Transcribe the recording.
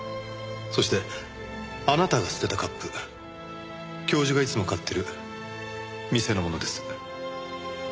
そしてあなたが捨てたカップ教授がいつも買ってる店のものです。